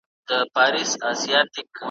له هر چا یې وو هېر کړی زوی او کلی `